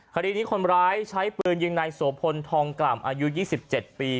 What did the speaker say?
คดีนี้คนร้ายใช้ปืนยิงนายโสพลทองกล่ำอายุ๒๗ปี